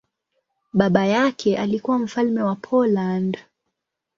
Baba yake alikuwa mfalme wa Poland.